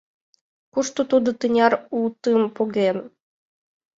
Кушто тудо тынар утым поген?